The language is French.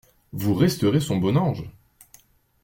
Vous resterez son bon ange.